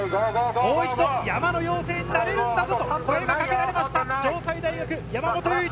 もう一度、山の妖精になれるんだぞ！と声がかけられました城西大学・山本唯翔。